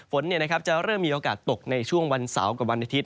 ฝนจะเริ่มมีโอกาสตกในช่วงวันเสาร์กับวันอาทิตย